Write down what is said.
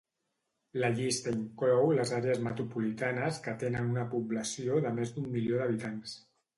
La llista inclou les àrees metropolitanes que tenen una població de més d'un milió d'habitants.